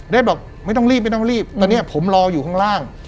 เดอร์บอกไม่ต้องรีบตอนนี้ผมรออยู่ข้างล่าง